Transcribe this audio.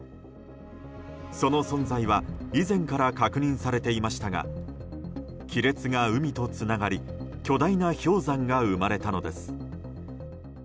その存在は、以前から確認されていましたが亀裂が海とつながり巨大な氷山が生まれたのです。